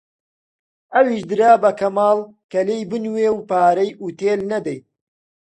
ئەویش درا بە کەمال کە لێی بنوێ و پارەی ئوتێل نەدەین